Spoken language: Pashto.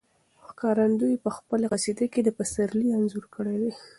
ښکارندوی په خپله قصیده کې د پسرلي انځور کړی دی.